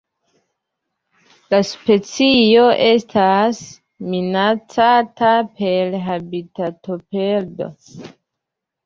La specio estas minacata per habitatoperdo.